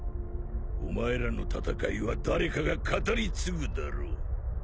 お前らの戦いは誰かが語り継ぐだろう。